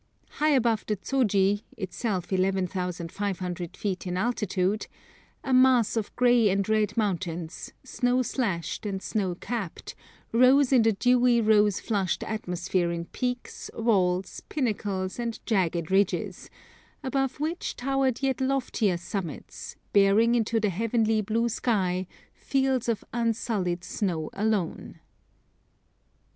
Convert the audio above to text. High above the Zoji, itself 11,500 feet in altitude, a mass of grey and red mountains, snow slashed and snow capped, rose in the dewy rose flushed atmosphere in peaks, walls, pinnacles, and jagged ridges, above which towered yet loftier summits, bearing into the heavenly blue sky fields of unsullied snow alone.